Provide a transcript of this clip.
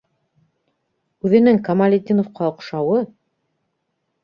Үҙенең Камалетдиновҡа оҡшауы!